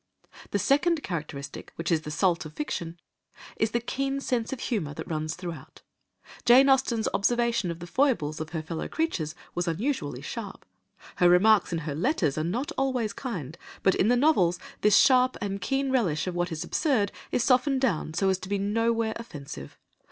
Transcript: The second characteristic, which is the salt of fiction, is the keen sense of humour that runs throughout. Jane Austen's observation of the foibles of her fellow creatures was unusually sharp, her remarks in her letters are not always kind, but in the novels this sharp and keen relish of what is absurd is softened down so as to be nowhere offensive.